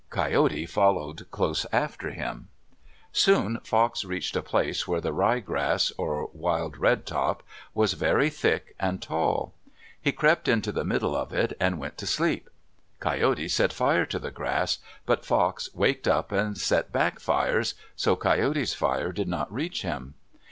Coyote followed close after him. Soon Fox reached a place where the rye grass, or wild redtop, was very thick and tall. He crept into the middle of it and went to sleep. Coyote set fire to the grass, but Fox waked up and set back fires, so Coyote's fire did not reach him.